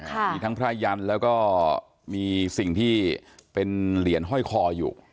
มีทั้งพระยันแล้วก็มีสิ่งที่เป็นเหรียญห้อยคออยู่